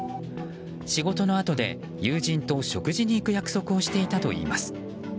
仕事のあとで友人と食事に行く約束をしていたといいます。